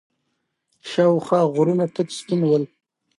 شاوخوا غرونه تک سپين ول.